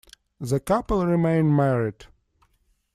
The couple remain married.